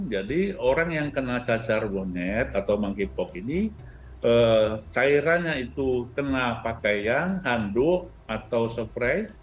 jadi orang yang kena cacar bonnet atau monkeypox ini cairan yaitu kena pakaian handuk atau spray